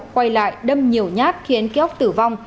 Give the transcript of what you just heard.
quay lại đâm nhiều nhát khiến ký ốc tử vong